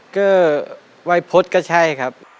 ก็วัยพฤษก็ใช่ครับ